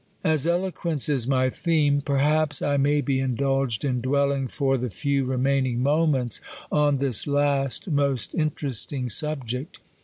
As ELOQUENCE is my theme, perhaps I may be indulged in dwelling for the few remaining moments, on this last most interesting subject.